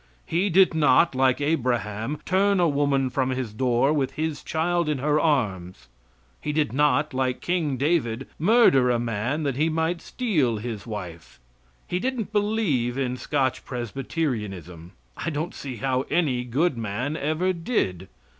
He did not, like Abraham, turn a woman from his door with his child in her arms. He did not, like King David, murder a man that he might steal his wife. He didn't believe in Scotch Presbyterianism. I don't see how any good man ever did.